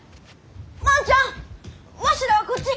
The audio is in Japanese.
万ちゃんわしらはこっち！